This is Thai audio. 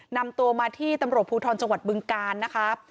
นำตัวมาที่ตำรวจภูทรจังหวัดบึงกาลนะคะ